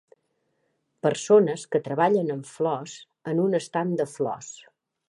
Persones que treballen amb flors en un estand de flors